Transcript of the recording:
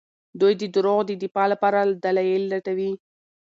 دوی د دروغو د دفاع لپاره دلايل لټوي.